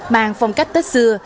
màng phong cách tết xưa